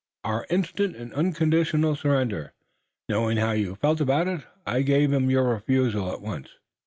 "Our instant and unconditional surrender. Knowing how you felt about it, I gave him your refusal at once."